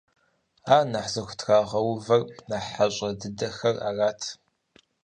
Ар нэхъ зыхутрагъэувэр нэхъ хьэщӀэ дыдэхэр арат.